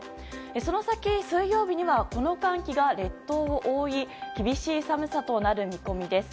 その先、水曜日にはこの寒気が列島を覆い厳しい寒さとなる見込みです。